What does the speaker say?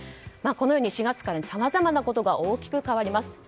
このように４月からさまざまなことが大きく変わります。